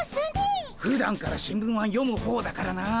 ふだんから新聞は読む方だからな。